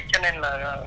cho nên là